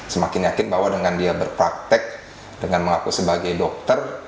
semakin yakin bahwa dengan dia berpraktek dengan mengaku sebagai dokter